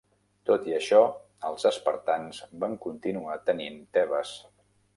Tot i això, els espartans van continuar tenint Tebes.